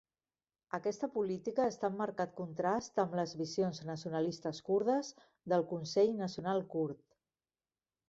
Aquesta política està en marcat contrast amb les visions nacionalistes kurdes del Consell Nacional Kurd.